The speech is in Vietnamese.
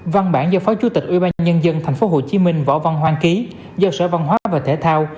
văn bản do phó chủ tịch ủy ban nhân dân tp hcm võ văn hoang ký do sở văn hóa và thể thao